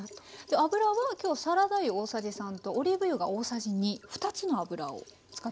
油は今日サラダ油大さじ３とオリーブ油が大さじ２２つの油を使っています。